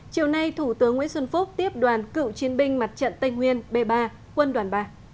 chiều nay thủ tướng nguyễn xuân phúc tiếp đoàn cựu chiến binh mặt trận tây nguyên b ba quân đoàn ba